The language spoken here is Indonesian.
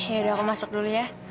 yaudah aku masuk dulu ya